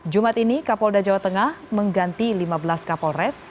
jumat ini kapolda jawa tengah mengganti lima belas kapolres